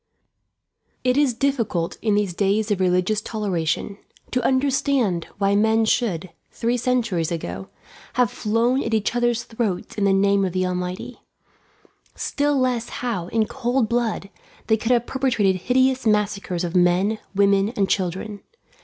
It is difficult, in these days of religious toleration, to understand why men should, three centuries ago, have flown at each others' throats in the name of the Almighty; still less how, in cold blood, they could have perpetrated hideous massacres of men, women, and children.